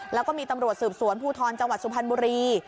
แล้วก็มีตำรวจสืบสวนภูทรจังหวัดสุพรรณบุรี